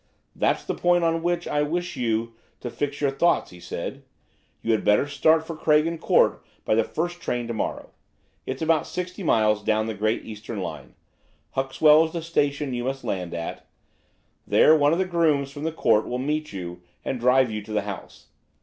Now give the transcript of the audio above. "That's the point on which I wish you to fix your thoughts," he said; "you had better start for Craigen Court by the first train to morrow–it's about sixty miles down the Great Eastern line. Huxwell is the station you must land at. There one of the grooms from the Court will meet you, and drive you to the house.